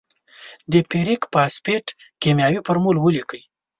د فیریک فاسفیټ کیمیاوي فورمول ولیکئ.